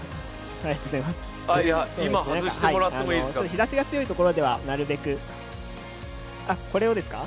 日ざしが強い所ではなるべくこれをですか？